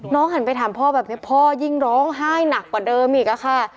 หันไปถามพ่อแบบนี้พ่อยิ่งร้องไห้หนักกว่าเดิมอีกอะค่ะ